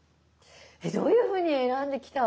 えっどういうふうに選んできた。